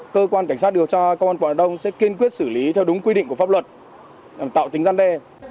cơ quan cảnh sát điều tra công an quận hà đông sẽ kiên quyết xử lý theo đúng quy định của pháp luật tạo tính gian đe